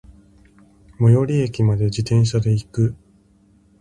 最寄駅まで、自転車で行く。